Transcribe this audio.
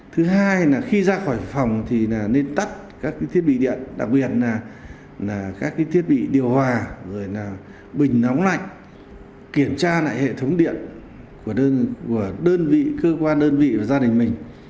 thứ hai là khi ra khỏi phòng nên tắt các thiết bị điện đặc biệt những thiết bị điều hòa bình nóng lạnh kiểm tra lại hệ thống điện của đơn vị cơ quan và gia đình mình